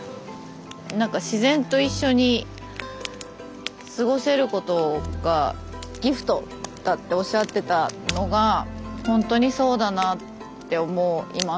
なんか自然と一緒に過ごせることがギフトだっておっしゃってたのがほんとにそうだなって思います。